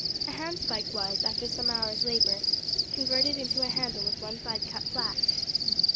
A handspike was, after some hours' labour, converted into a handle with one side cut flat.